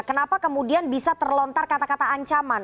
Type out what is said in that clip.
kenapa kemudian bisa terlontar kata kata ancaman